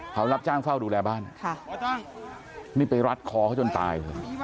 เขารับจ้างเฝ้าดูแลบ้านค่ะนี่ไปรัดคอเขาจนตายเลย